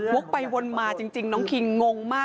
ไปวนมาจริงน้องคิงงมาก